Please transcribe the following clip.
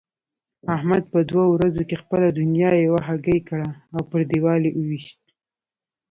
احمد په دوو ورځو کې خپله دونيا یوه هګۍکړ او پر دېوال يې وويشت.